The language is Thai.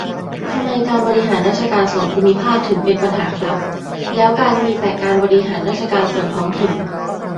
ทำไม การบริหารราชการส่วนภูมิภาค ถึงเป็นปัญหาครับ ? แล้วการมีแต่การบริหารราชการส่วนท้องถิ่น